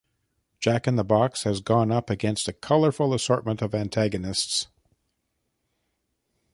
Jack-in-the-Box has gone up against a colorful assortment of antagonists.